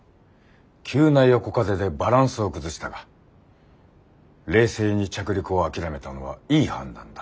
急な横風でバランスを崩したが冷静に着陸を諦めたのはいい判断だった。